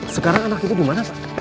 sekarang anak itu dimana pak